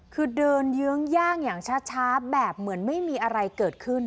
คือเดินเยื้องย่างอย่างช้าแบบเหมือนไม่มีอะไรเกิดขึ้น